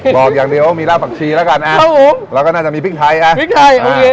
บอกอย่างเดียวมีล่าผักชีแล้วกันครับผมเราก็น่าจะมีพริกไทยพริกไทยโอเค